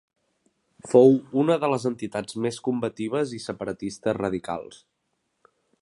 Fou una de les entitats més combatives i separatistes radicals.